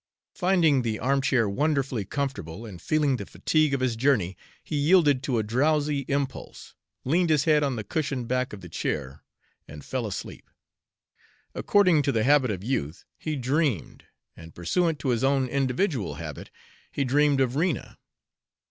Finding the armchair wonderfully comfortable, and feeling the fatigue of his journey, he yielded to a drowsy impulse, leaned his head on the cushioned back of the chair, and fell asleep. According to the habit of youth, he dreamed, and pursuant to his own individual habit, he dreamed of Rena.